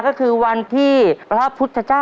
ตัวเลือกที่สองวนทางซ้าย